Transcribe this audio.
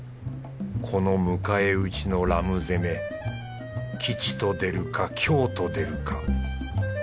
この迎え撃ちのラム攻め吉と出るか凶と出るか